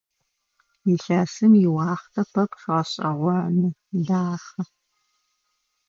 Илъэсым иуахътэ пэпчъ гъэшӀэгъоны, дахэ.